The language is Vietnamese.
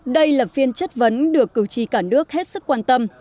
đây là phiên chất vấn được cựu trì cả nước hết sức quan tâm